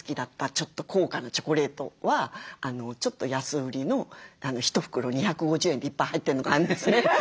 ちょっと高価なチョコレートはちょっと安売りの１袋２５０円でいっぱい入ってるのがあるんですね。